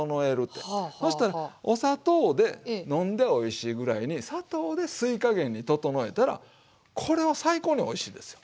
お砂糖で飲んでおいしいぐらいに砂糖で吸いかげんに調えたらこれは最高においしいですよ。